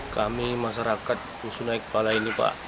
kami masyarakat dusun aikpala ini pak